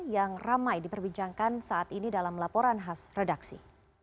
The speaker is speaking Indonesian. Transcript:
yang ramai diperbincangkan saat ini dalam laporan khas redaksi